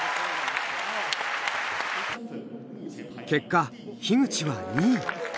結果、樋口は２位。